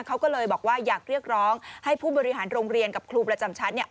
เขาก็เลยบอกว่าอยากเรียกร้องให้ผู้บริหารโรงเรียนกับครูประจำชั้นเนี่ย